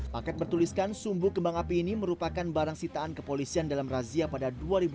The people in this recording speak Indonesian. paket bertuliskan sumbu kembang api ini merupakan barang sitaan kepolisian dalam razia pada dua ribu dua puluh